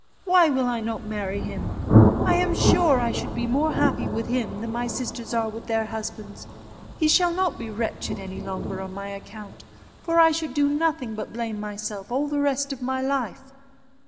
Why will not I marry him? I am sure I should be more happy with him than my sisters are with their husbands. He shall not be wretched any longer on my account; for I should do nothing but blame myself all the rest of my life."